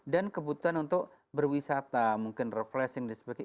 dan kebutuhan untuk berwisata mungkin refreshing dan lain sebagainya